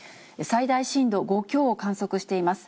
最大震度５強を観測しています。